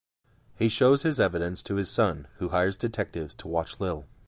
He shows his evidence to his son, who hires detectives to watch Lil.